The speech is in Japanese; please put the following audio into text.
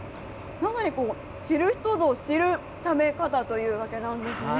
まさに知る人ぞ知る食べ方というわけなんですね。